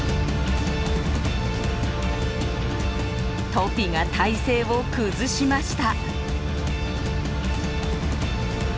トピが体勢を崩しました。